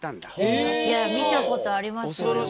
いや見たことありますよ。